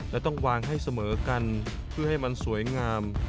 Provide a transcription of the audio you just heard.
และต้องวางให้เสมอกันเพื่อให้มันสวยงาม